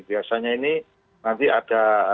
biasanya ini nanti ada